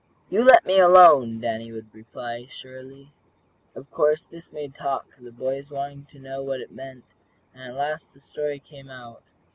"You let me alone!" Danny would reply, surlily. Of course this made talk, the boys wanting to know what it meant, and at last the story came out.